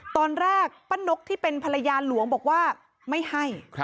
ตอนแรกป้านกที่เป็นภรรยาหลวงบอกว่าไม่ให้